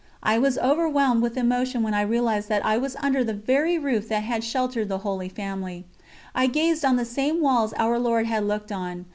I was overwhelmed with emotion when I realised that I was under the very roof that had sheltered the Holy Family. I gazed on the same walls Our Lord had looked on.